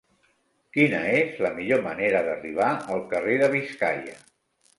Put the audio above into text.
Quina és la millor manera d'arribar al carrer de Biscaia?